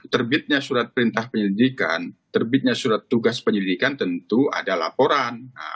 terbitnya surat perintah penyelidikan terbitnya surat tugas penyelidikan tentu ada laporan